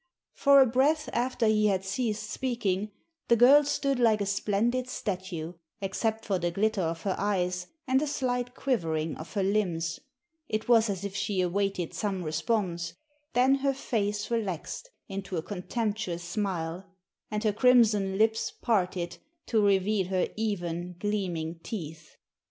For a breath after he had ceased speaking, the girl stood like a splendid statue, except for the glitter of her eyes and a slight quivering of her limbs; it was as if she awaited some response; then her face relaxed into a contemptuous smile, and her crimson lips parted to reveal her even, gleaming teeth.